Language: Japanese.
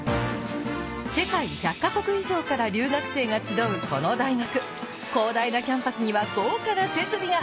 世界１００か国以上から留学生が集うこの大学広大なキャンパスには豪華な設備が！